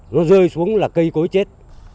nó rơi xuống là cây cối chết